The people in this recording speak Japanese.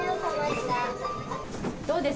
どうです？